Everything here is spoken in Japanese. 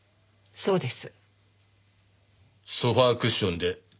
そうです。